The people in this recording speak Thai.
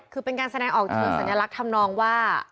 คือเป็นการ์ตูนสัญลักษณ์ทำนองว่า